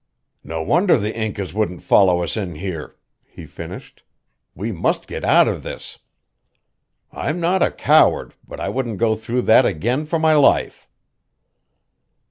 "No wonder the Incas wouldn't follow us in here," he finished. "We must get out of this. I'm not a coward, but I wouldn't go through that again for my life."